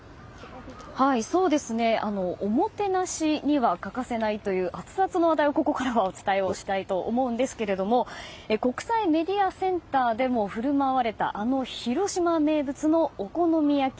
おもてなしには欠かせないというアツアツの話題をここからはお伝えしたいと思うんですが国際メディアセンターでも振る舞われたあの広島名物のお好み焼き。